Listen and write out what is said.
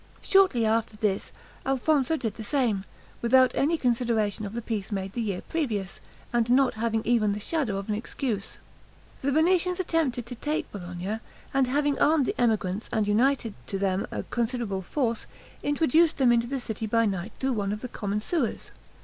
Shortly after this, Alfonso did the same, without any consideration of the peace made the year previous, and not having even the shadow of an excuse. The Venetians attempted to take Bologna, and having armed the emigrants, and united to them a considerable force, introduced them into the city by night through one of the common sewers.